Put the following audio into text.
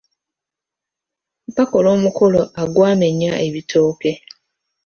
Baakola omukolo agwamenya ebitooke.